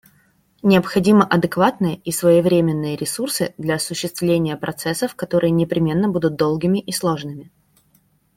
Необходимы адекватные и своевременные ресурсы для осуществления процессов, которые непременно будут долгими и сложными.